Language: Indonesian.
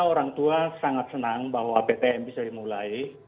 orang tua sangat senang bahwa ptm bisa dimulai